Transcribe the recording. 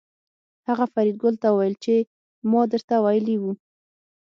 هغه فریدګل ته وویل چې ما درته ویلي وو